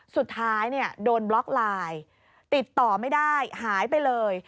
สุดท้ายโดนบล็อกไลน์ติดต่อไม่ได้หายไปเลย